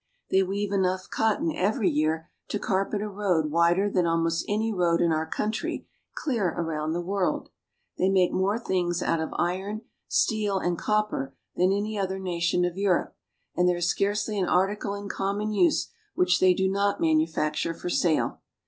They weave enough cotton every year to carpet a road wider than almost any road in our country clear around the world. They make more things out of Manufacturing England. 57 iron, steel, and copper than any other nation of Europe, and there is scarcely an article in common use which they do not manufacture for sale.